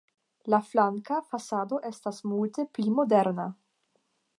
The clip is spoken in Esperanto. La flanka fasado estas multe pli modera.